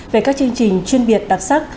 về các chương trình chuyên biệt đặc sắc